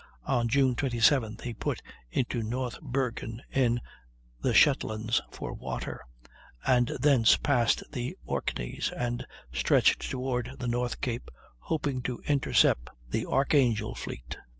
On June 27th he put into North Bergen in the Shetlands for water, and thence passed the Orkneys and stretched toward the North Cape, hoping to intercept the Archangel fleet.